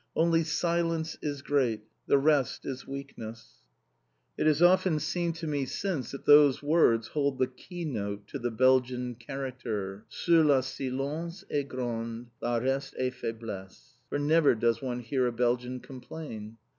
"Only silence is great, the rest is weakness!" It has often seemed to me since that those words hold the key note to the Belgian character. "Seul la silence est grande; la reste est faiblesse." For never does one hear a Belgian complain!